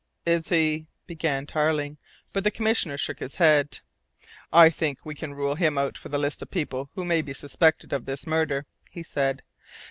"Is he " began Tarling. But the Commissioner shook his head. "I think we can rule him out from the list of people who may be suspected of this murder," he said.